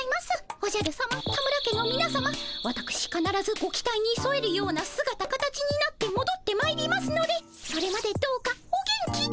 おじゃるさま田村家のみなさまわたくしかならずご期待にそえるようなすがた形になってもどってまいりますのでそれまでどうかお元気で。